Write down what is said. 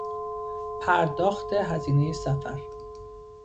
پرداخت هزینهی سفر